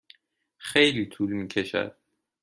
خیلی طول می کشد.